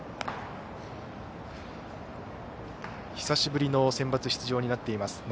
久しぶりのセンバツ出場になっています